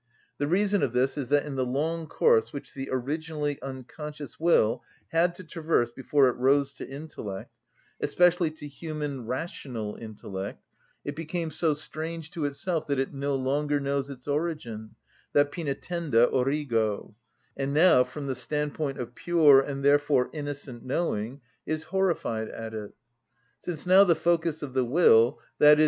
The reason of this is that in the long course which the originally unconscious will had to traverse before it rose to intellect, especially to human, rational intellect, it became so strange to itself that it no longer knows its origin, that pœnitenda origo, and now, from the standpoint of pure, and therefore innocent, knowing, is horrified at it. Since now the focus of the will, _i.e.